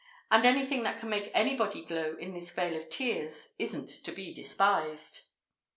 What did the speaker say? And anything that can make anybody glow in this vale of tears, isn't to be despised.